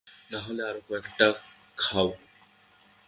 না হলে আরো কয়েকটা খাও।